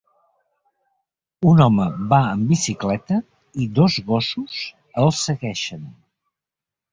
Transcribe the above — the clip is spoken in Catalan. Un home va en bicicleta i dos gossos el segueixen.